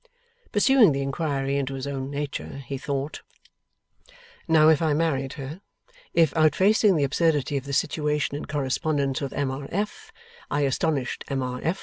Pursuing the inquiry into his own nature, he thought, 'Now, if I married her. If, outfacing the absurdity of the situation in correspondence with M. R. F., I astonished M. R.